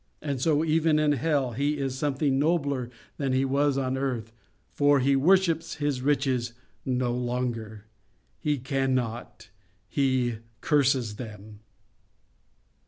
And so even in hell he is something nobler than he was on earth; for he worships his riches no longer. He cannot. He curses them.